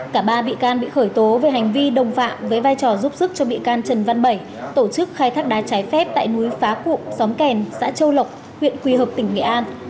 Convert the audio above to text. cả ba bị can bị khởi tố về hành vi đồng phạm với vai trò giúp sức cho bị can trần văn bảy tổ chức khai thác đá trái phép tại núi phá cụm xóm kèn xã châu lộc huyện quỳ hợp tỉnh nghệ an